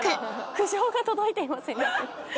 「苦情が届いています」